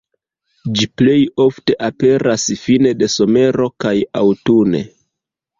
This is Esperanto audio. Ĝi plej ofte aperas fine de somero kaj aŭtune.